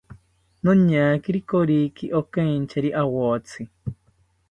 Noñakiri koriki okeinchari awotzi